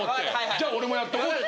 じゃあ俺もやっとこうって。